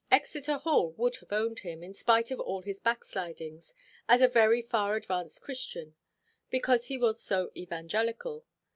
Exeter Hall would have owned him, in spite of all his backslidings, as a very "far–advanced Christian;" because he was so "evangelical."